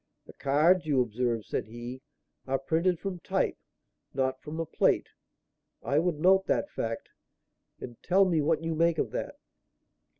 "The cards, you observe," said he, "are printed from type, not from a plate. I would note that fact. And tell me what you make of that."